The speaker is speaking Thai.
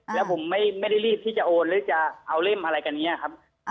แล้วผมไม่ได้รีบที่จะโอนหรือจะเอาเล่มอะไรกันอย่างนี้ครับ